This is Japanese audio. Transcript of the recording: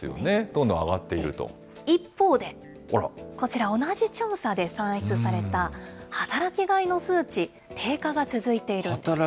どんどん上が一方で、こちら同じ調査で算出された働きがいの数値、低下が続いているんです。